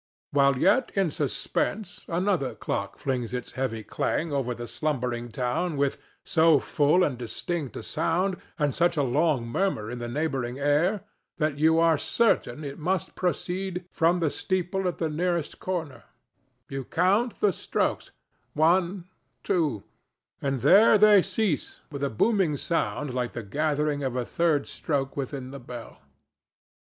While yet in suspense another clock flings its heavy clang over the slumbering town with so full and distinct a sound, and such a long murmur in the neighboring air, that you are certain it must proceed from the steeple at the nearest corner; You count the strokes—one, two; and there they cease with a booming sound like the gathering of a third stroke within the bell.